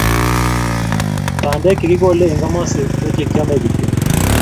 bandek chekikole eng komosi ko chekiomei kityo